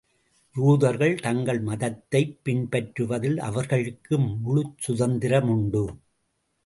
யூதர்கள் தங்கள் மதத்தைப் பின்பற்றுவதில் அவர்களுக்கு முழுச் சுதந்திரம் உண்டு.